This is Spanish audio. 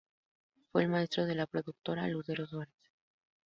Fue el maestro de la productora Lucero Suárez.